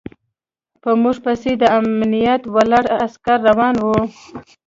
په موږ پسې د امنيت والاو عسکر روان و.